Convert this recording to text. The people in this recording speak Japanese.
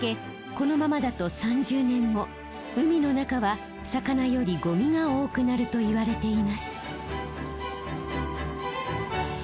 このままだと３０年後海の中は魚よりゴミが多くなるといわれています。